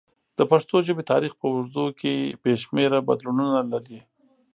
د پښتو ژبې تاریخ په اوږدو کې بې شمېره بدلونونه لري.